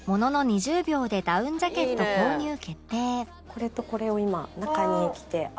これとこれを今中に着て合わせて。